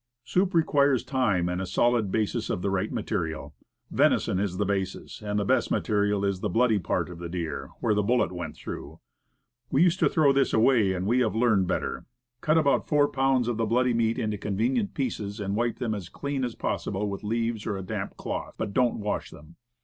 Soup re quires time, and a solid basis of the right material. Venison is the basis, and the best material is the bloody part of the deer, where the bullet went through. We used to throw this away; we have learned better. Cut about four pounds of the bloody meat into convenient pieces, and wipe them as clean as possible with leaves or a damp cloth, but don't wash them.